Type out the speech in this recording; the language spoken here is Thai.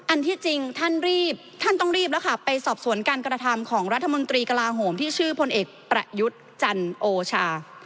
อันที่จริงท่านรีบท่านต้องรีบแล้วค่ะไปสอบสวนการกระทำของรัฐมนตรีกระลาโหมที่ชื่อพลเอกประยุทธ์จันโอชา